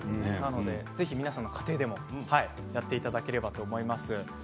ぜひ皆さんの家庭でもやっていただければと思います。